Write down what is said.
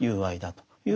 という